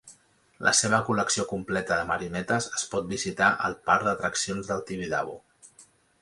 La seva col·lecció completa de marionetes es pot visitar al Parc d'Atraccions del Tibidabo.